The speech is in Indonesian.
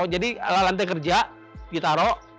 jadi lantai kerja ditaruh